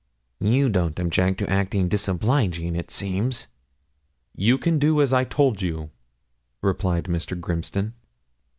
'You don't object to act disobliging, it seems.' 'You can do as I told you,' replied Mr. Grimston.